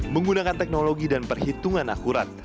menggunakan teknologi dan perhitungan akurat